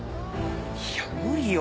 いや無理よ